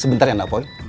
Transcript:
sebentar ya pak